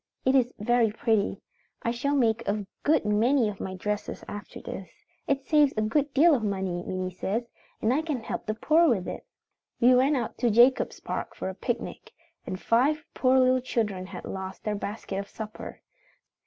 It is very pretty. I shall make a good many of my dresses after this. It saves a good deal of money, Minnie says, and I can help the poor with it. "We went out to Jacobs Park for a picnic, and five poor little children had lost their basket of supper.